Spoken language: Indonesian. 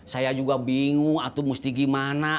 saya juga bingung atau mesti gimana